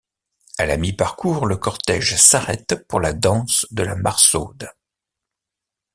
À la mi-parcours, le cortège s'arrête pour la danse de la Marsaude.